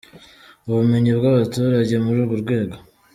ubumenyi bw’abaturage muri urwo rwego.